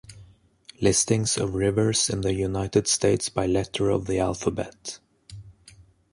"Listings of rivers in the United States by letter of the alphabet:"